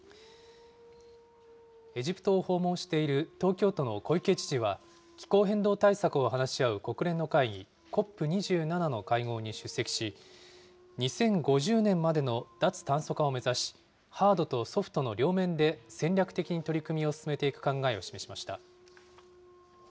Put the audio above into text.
エジプトを訪問している東京都の小池知事は、気候変動対策を話し合う国連の会議、ＣＯＰ２７の会合に出席し、２０５０年までの脱炭素化を目指し、ハードとソフトの両面で戦略的に取り組みを進めていく考えを示しました。